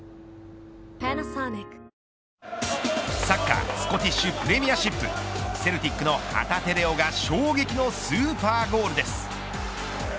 サッカースコティッシュプレミアシップセルティックの旗手怜央が衝撃のスーパーゴールです。